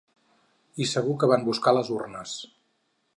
I segur que van buscar les urnes.